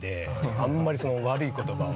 あんまり悪い言葉を。